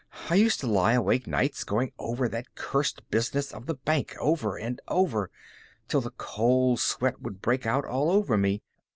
I used to lie awake nights going over that cursed business of the bank over and over till the cold sweat would break out all over me.